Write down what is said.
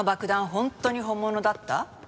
本当に本物だった？